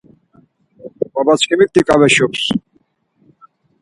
Babaçkimikti ǩave şums.